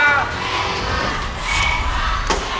แพงกว่า